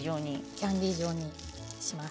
キャンデー状にします。